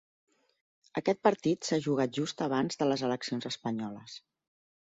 Aquest partit s'ha jugat just abans de les eleccions espanyoles.